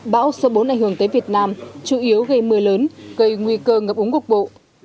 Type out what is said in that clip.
bão số bốn ảnh hưởng tới việt nam chủ yếu gây mưa lớn gây nguy cơ ngập úng cục bộ